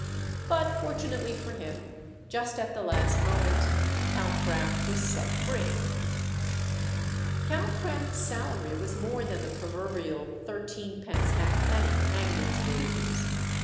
But, fortunately for him, just at the last moment Calcraft was set free. Calcraft's salary was more than the proverbial "thirteenpence halfpenny hangman's wages."